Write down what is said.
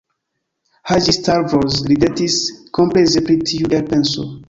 Haĝi-Stavros ridetis kompleze pri tiu elpenso.